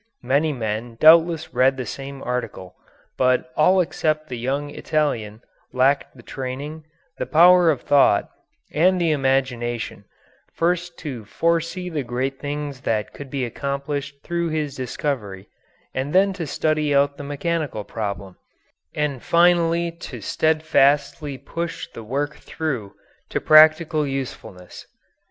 Many men doubtless read the same article, but all except the young Italian lacked the training, the power of thought, and the imagination, first to foresee the great things that could be accomplished through this discovery, and then to study out the mechanical problem, and finally to steadfastly push the work through to practical usefulness.